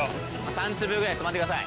３粒ぐらいつまんでください。